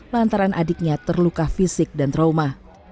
lantaran adiknya terluka fisik dan trauma